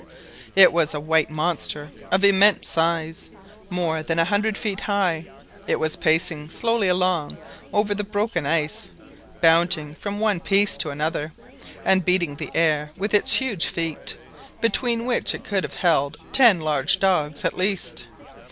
It was a white monster of immense size, more than a hundred feet high. It was pacing slowly along over the broken ice, bounding from one piece to another, and beating the air with its huge feet, between which it could have held ten large dogs at least.